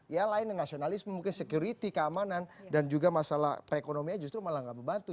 ya lainnya nasionalisme mungkin security keamanan dan juga masalah perekonomian justru malah nggak membantu